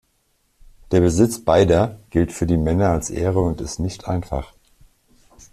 Der Besitz beider gilt für die Männer als Ehre und ist nicht einfach.